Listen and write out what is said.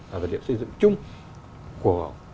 và vật liệu xây dựng chung của